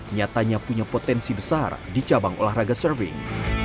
nyatanya punya potensi besar di cabang olahraga surfing